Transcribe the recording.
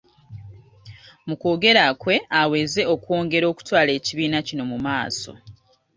Mu kwogera kwe aweze okwongera okutwala ekibiina kino mu maaso.